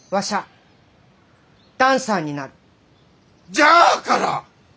じゃあから！